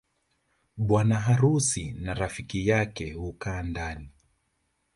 Bwana harusi na rafiki yake hukaa ndani